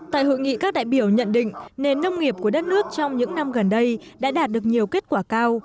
tại hội nghị các đại biểu nhận định nền nông nghiệp của đất nước trong những năm gần đây đã đạt được nhiều kết quả cao